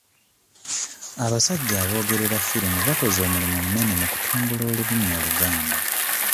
Abasajja aboogerera firimu bakoze omulimu munene mu kutumbula olulimi Oluganda.